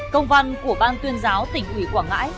công văn của ban tuyên giáo tỉnh ủy quảng ngãi